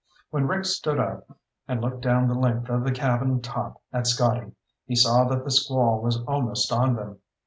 When Rick stood up and looked down the length of the cabin top at Scotty, he saw that the squall was almost on them.